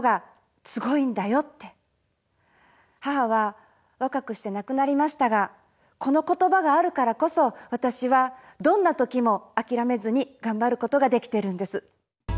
母は若くしてなくなりましたがこの言葉があるからこそ私はどんなときもあきらめずにがんばることができてるんです。